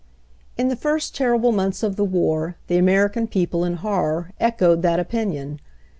In the first terrible months of the war the American people, in horror, echoed that opinion.